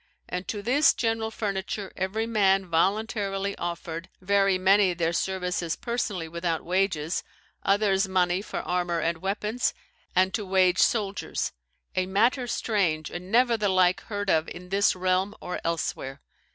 And to this general furniture every man voluntarily offered, very many their services personally without wages, others money for armour and weapons, and to wage soldiers: a matter strange, and never the like heard of in this realm or else where.